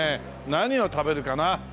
何を食べるかな。